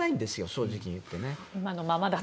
正直言ってね。